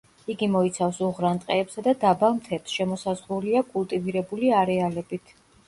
იგი მოიცავს უღრან ტყეებსა და დაბალ მთებს, შემოსაზღვრულია კულტივირებული არეალებით.